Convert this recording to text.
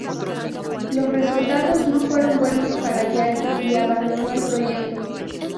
Los resultados no fueron buenos para Yagi y abandonó el proyecto.